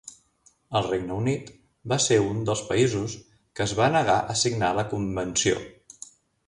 El Regne Unit va ser un dels països que es va negar a signar la convenció.